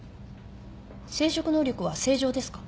生殖能力は正常ですか？